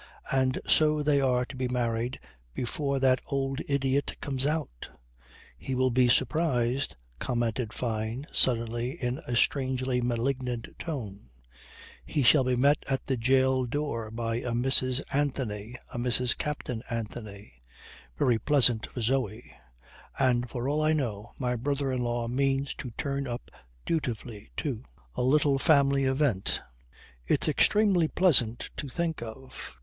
And so they are to be married before that old idiot comes out ... He will be surprised," commented Fyne suddenly in a strangely malignant tone. "He shall be met at the jail door by a Mrs. Anthony, a Mrs. Captain Anthony. Very pleasant for Zoe. And for all I know, my brother in law means to turn up dutifully too. A little family event. It's extremely pleasant to think of.